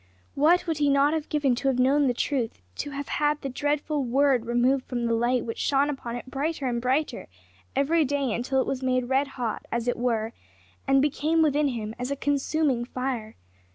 What would he not have given to have known the truth! to have had the dreadful word removed from the light which shone upon it brighter and brighter every day until it was made red hot, as it were, and became within him as a consuming fire!